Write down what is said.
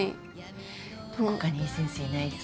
どこかにいい先生いないですかね。